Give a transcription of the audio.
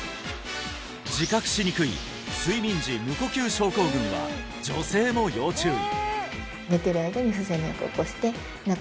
自覚しにくい睡眠時無呼吸症候群は女性も要注意！